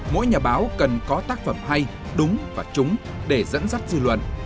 mỗi nhà báo cần có tác phẩm hay đúng và trúng để dẫn dắt dư luận